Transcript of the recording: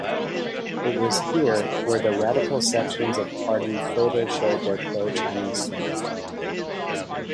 It was here where the radical sections of party further showed their pro-Chinese stand.